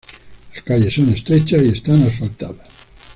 Las calles son estrechas y están asfaltadas.